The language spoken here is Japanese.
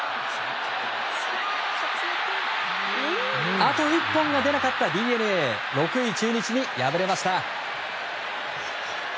あと１本が出なかったＤｅＮＡ６位、中日に敗れました。